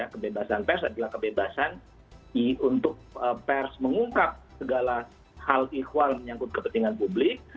kebebasan pers adalah kebebasan untuk pers mengungkap segala hal ihwal menyangkut kepentingan publik